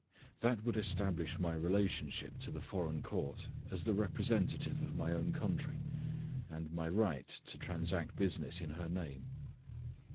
That would establish my relationship to the foreign court as the representative of my own country, and my right to transact business in her name.